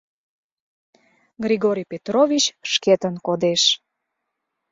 Григорий Петрович шкетын кодеш.